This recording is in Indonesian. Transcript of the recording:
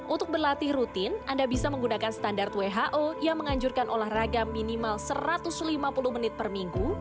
untuk berlatih rutin anda bisa menggunakan standar who yang menganjurkan olahraga minimal satu ratus lima puluh menit per minggu